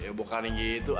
ya bukannya gitu